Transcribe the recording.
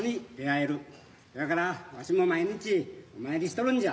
せやからわしも毎日お参りしとるんじゃ。